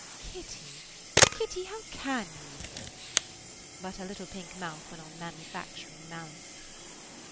"Kitty! Kitty! how can you!" But her little pink mouth went on manufacturing malice.